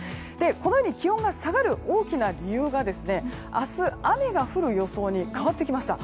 このように気温が下がる理由は明日、雨が降る予想に変わってきました。